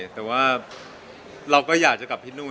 แต่ว่าเราก็อยากจะกลับที่นู่น